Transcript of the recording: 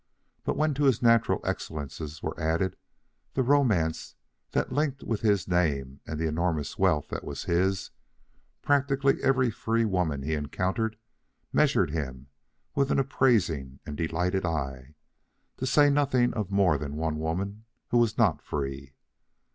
But when to his natural excellences were added the romance that linked with his name and the enormous wealth that was his, practically every free woman he encountered measured him with an appraising and delighted eye, to say nothing of more than one woman who was not free.